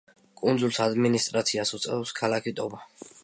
კუნძულს ადმინისტრაციას უწევს ქალაქი ტობა.